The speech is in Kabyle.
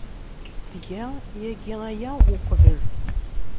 Tga yagi aya uqbel.